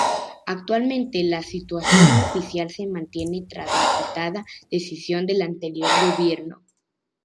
Actualmente la situación oficial se mantiene tras la citada decisión del anterior gobierno.